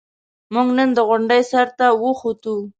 موږ نن د غونډۍ سر ته وخوتو.